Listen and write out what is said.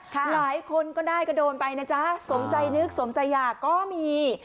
หลายคนก็ได้ก็โดนไปนะจ๊ะสมใจนึกสมใจอยากก็มี